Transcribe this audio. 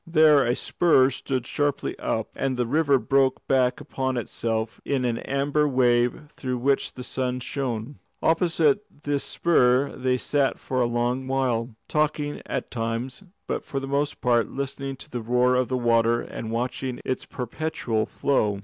There a spur stood sharply up, and the river broke back upon itself in an amber wave through which the sun shone. Opposite this spur they sat for a long while, talking at times, but for the most part listening to the roar of the water and watching its perpetual flow.